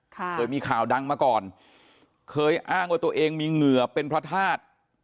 เคยมีข่าวดังมาก่อนเคยอ้างว่าตัวเองมีเหงื่อเป็นพระธาตุ